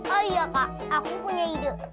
oh iya kak aku punya ide